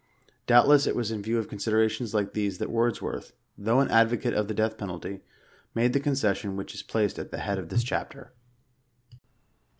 Doubtless it was in view of considerations like these, that Wordsworth, though an advocate of the death penalty, made the concession which is placed at the head of this chapter.